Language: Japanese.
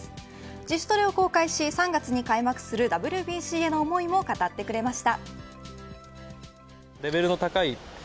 自主トレを公開し３月に開幕するＷＢＣへの思いを語ってくれました。